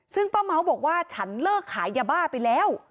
ซึ่งป้าเม้าบอกว่าฉันเลิกขายยาบ้าไปแล้ว